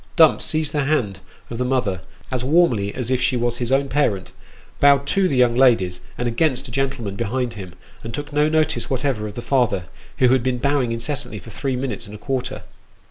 Dumps seized the hand of the mother as warmly as if she was his own parent, bowed to the young ladies, and against a gentleman behind him, and took no notice whatever of the father, who had been bowing incessantly for three minutes and a quarter.